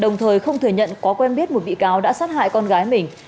đồng thời không thừa nhận có quen biết một bị cáo đã sát hại con gái mình